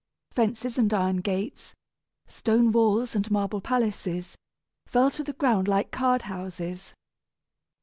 Fences and iron gates, stone walls and marble palaces fell to the ground like card houses.